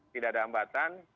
tidak ada hambatan